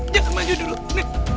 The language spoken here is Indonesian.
jangan maju dulu nek